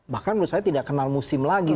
bahkan menurut saya tidak kenal musim lagi